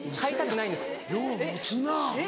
よう持つな。